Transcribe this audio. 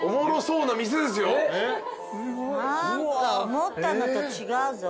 何か思ったのと違うぞ。